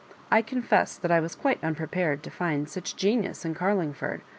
I confess that I was quite unprepared to find such genius in Oarlingford.